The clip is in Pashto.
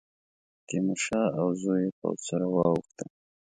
تیمورشاه او زوی یې پوځ سره واوښتل.